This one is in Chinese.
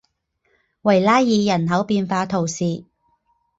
维拉尔人口变化图示